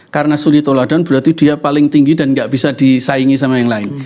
karena suri toladan berarti dia paling tinggi dan gak bisa disaingi sama yang lain